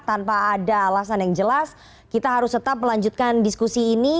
tanpa ada alasan yang jelas kita harus tetap melanjutkan diskusi ini